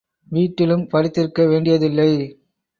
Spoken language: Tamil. வீட்டிலும் படுத்திருக்க வேண்டியதில்லை.